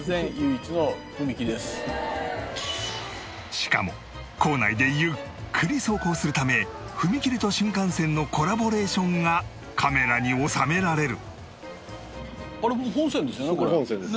しかも構内でゆっくり走行するため踏切と新幹線のコラボレーションがカメラに収められる